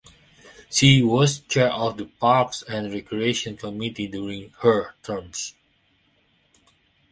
She was Chair of the Parks and Recreation Committee during her term.